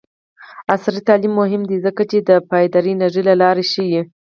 عصري تعلیم مهم دی ځکه چې د پایداره انرژۍ لارې ښيي.